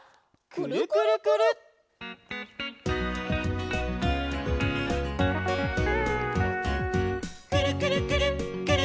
「くるくるくるっくるくるくるっ」